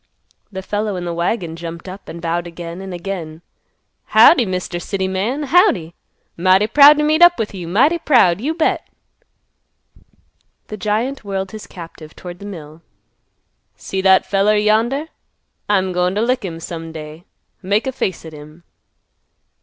The fellow in the wagon jumped up and bowed again and again; "Howdy, Mr. City Man; howdy. Mighty proud t' meet up with you; mighty proud, you bet!" The giant whirled his captive toward the mill. "See that feller yonder? I'm goin' t' lick him some day. Make a face at him."